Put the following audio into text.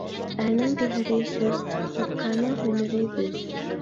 ئەرنىڭ گۆھىرى سۆز، باپكارنىڭ ھۈنىرى بۆز.